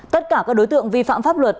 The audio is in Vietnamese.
tất cả các đối tượng vi phạm pháp luật